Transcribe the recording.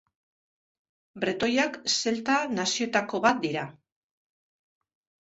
Bretoiak zelta nazioetako bat dira.